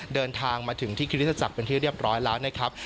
เดินทางมาถึงที่คริสตจักรเป็นที่เรียบร้อยแล้วนะครับ